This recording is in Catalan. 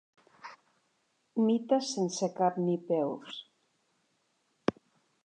Mites sense cap ni peus.